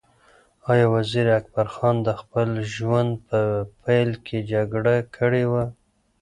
ایا وزیر اکبر خان د خپل ژوند په پیل کې جګړه کړې وه؟